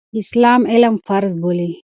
اسلام علم فرض بولي.